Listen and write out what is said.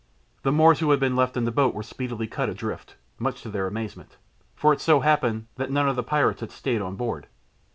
The Moors who had been left in the boat were speedily cut adrift, much to their amazement, for it so happened that none of the pirates had stayed on board.